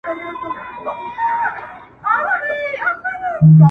ځي تر قصابانو په مالدار اعتبار مه کوه،